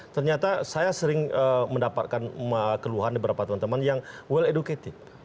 ternyata saya sering mendapatkan keluhan di beberapa teman teman yang well educated